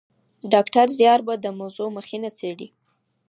ډاکټر زیار به د موضوع مخینه څېړي.